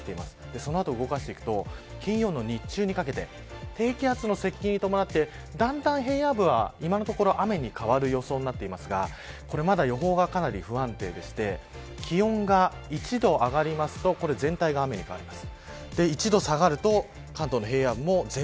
その後、動かしていくと金曜の日中にかけて低気圧の接近に伴ってだんだん平野部は、今のところ雨に変わる予想になっていますがまだ予報が不安定でして気温が１度上がりますと全体が雨に変わります。